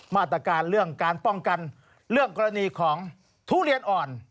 มาตรการเรื่องการป้องกันเรื่องกรณีของทุเรียนอ่อน